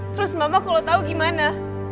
terus mama kalau tahu gimana